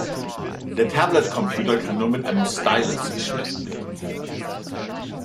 Der Tablet-Computer kann nur mit einem Stylus-Stift bedient werden.